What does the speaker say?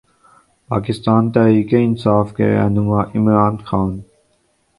پاکستان تحریک انصاف کے رہنما عمران خان